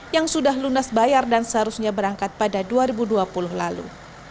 yang sudah lunas bayar dan seharusnya berangkat pada dua ribu dua puluh lalu